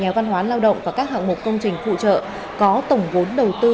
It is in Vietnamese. nhà văn hóa lao động và các hạng mục công trình phụ trợ có tổng vốn đầu tư